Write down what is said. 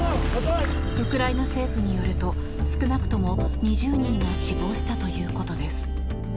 ウクライナ政府によると少なくとも２０人が死亡したということです。